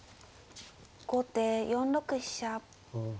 後手４六飛車。